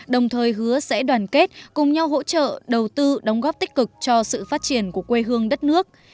đồng thời hứa sẽ đoàn kết cùng nhau hỗ trợ đầu tư đóng góp tích cực cho sự phát triển của quê hương đất nước